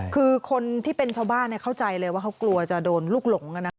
คือคนที่เป็นชาวบ้านเข้าใจเลยว่าเขากลัวจะโดนลูกหลง